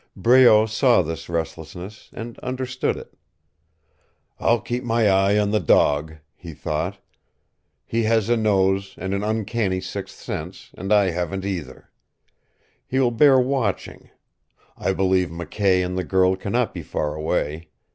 Breault saw this restlessness, and understood it. "I'll keep my eye on the dog," he thought. "He has a nose, and an uncanny sixth sense, and I haven't either. He will bear watching. I believe McKay and the girl cannot be far away.